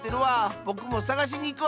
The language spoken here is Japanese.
ぼくもさがしにいくわ！